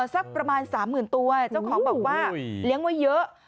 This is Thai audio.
สักประมาณ๓๐๐๐ตัวเจ้าของบอกว่าเลี้ยงไว้เยอะ